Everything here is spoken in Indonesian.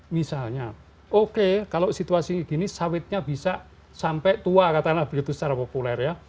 misalnya oke kalau situasi begini sawitnya bisa sampai tua katakanlah begitu secara populer ya